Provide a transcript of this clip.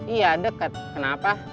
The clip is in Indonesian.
iya deket kenapa